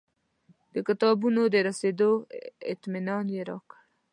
د کتابونو د رسېدو اطمنان یې راکړ.